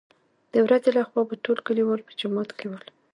دورځې له خوا به ټول کليوال په جومات کې ول.